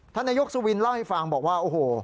นายกสุวินเล่าให้ฟังบอกว่าโอ้โห